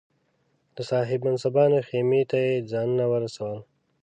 د صاحب منصبانو خېمې ته یې ځانونه ورسول.